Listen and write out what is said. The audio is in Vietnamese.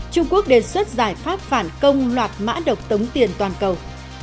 trung quốc đề xuất giải pháp phản công loạt mã độc tống tiền toàn cầu